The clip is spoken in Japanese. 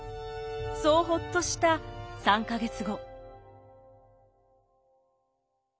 そうほっとした３か月後。